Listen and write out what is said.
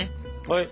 はい。